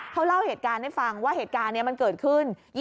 เขาเล่าเหตุการณ์ให้ฟังว่าเหตุการณ์นี้มันเกิดขึ้น